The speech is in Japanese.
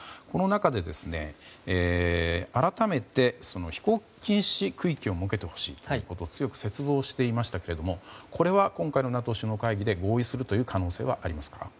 この中で改めて飛行禁止空域を設けてほしいと強く切望していましたけれどもこれは今回のＮＡＴＯ首脳会議で合意するという可能性はありますか？